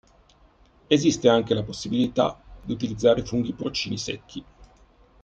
Esiste anche la possibilità di utilizzare funghi porcini secchi.